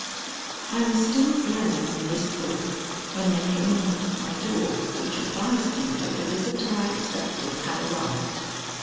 I was still dwelling on this thought when there came a knock at my door which advised me that the visitor I expected had arrived.